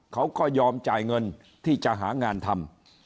เขาก็ยอมจ่ายเงินที่จะหางานทำ